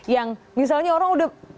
yang misalnya orang sudah pandang